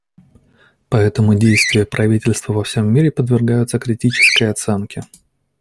Поэтому действия правительств во всем мире подвергаются критической оценке.